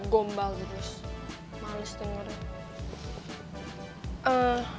gombal terus malis tengernya